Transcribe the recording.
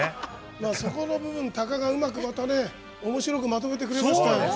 そこの部分、タカがうまくおもしろくまとめてくれましたよ。